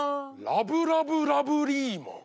ラブラブラブリーマン？